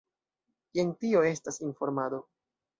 Jen, tio estas informado.